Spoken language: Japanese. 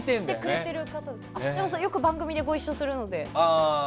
でもよく番組でご一緒するので。